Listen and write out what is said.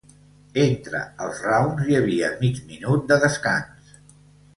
Entre els rounds hi havia mig minut de descans.